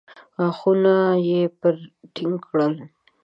غاښونه يې پرې ټينګ کړل.